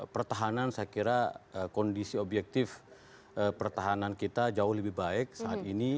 pertahanan saya kira kondisi objektif pertahanan kita jauh lebih baik saat ini